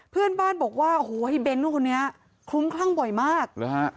เพื่อนบ้านบอกว่าโอ้โหไอ้เบ้นคนนี้คลุ้มคลั่งบ่อยมากหรือฮะ